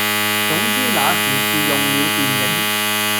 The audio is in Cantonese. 總之那時是用了電影，